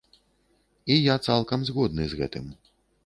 І я цалкам згодны з гэтым.